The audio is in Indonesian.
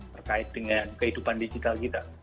terkait dengan kehidupan digital kita